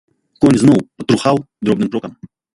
Конь зноў патрухаў дробным крокам.